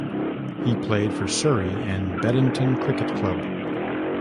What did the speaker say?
He played for Surrey and Beddington Cricket Club.